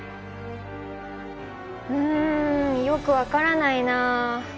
うんよく分からないなあ。